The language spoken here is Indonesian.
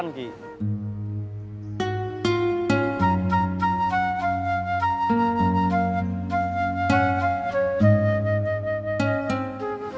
kamu mau ikut ke terminal